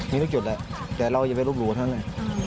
มีทุกจุดแล้วแต่เราจะลูบหลวงให้ในหน้า